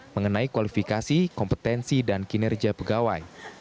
mengenai kualifikasi kompetensi dan kinerja pegawai